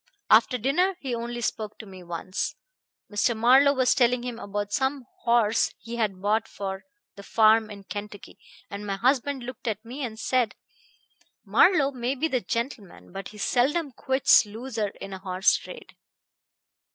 After dinner he only spoke to me once. Mr. Marlowe was telling him about some horse he had bought for the farm in Kentucky, and my husband looked at me and said, 'Marlowe may be a gentleman, but he seldom quits loser in a horse trade.'